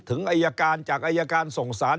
ถึงอายการจากอายการส่งสาร